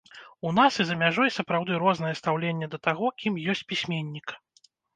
У нас і за мяжой сапраўды рознае стаўленне да таго, кім ёсць пісьменнік.